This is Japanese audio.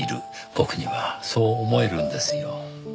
僕にはそう思えるんですよ。